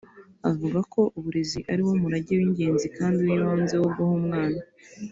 avuga ko uburezi ari wo murage w’ingenzi kandi w’ibanze wo guha umwana